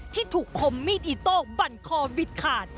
ที่ถูกคมมีดอิโต้บั่นคอวิดขาด